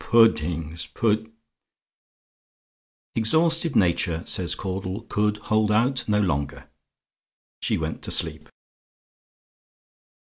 Pu dding s! Pud " "Exhausted nature," says Caudle, "could hold out no longer. She went to sleep."